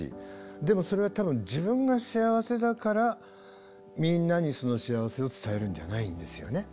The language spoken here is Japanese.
でもそれは多分自分が幸せだからみんなにその幸せを伝えるんではないんですよね。